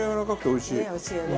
おいしいよね。